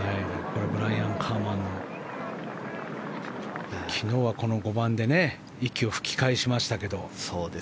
ブライアン・ハーマン昨日はこの５番で息を吹き返しましたが。